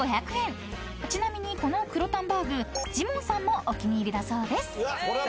［ちなみにこの黒タンバーグジモンさんもお気に入りだそうです］